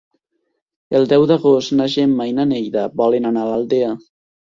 El deu d'agost na Gemma i na Neida volen anar a l'Aldea.